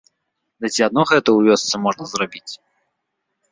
Ды ці адно гэта ў вёсцы можна зрабіць.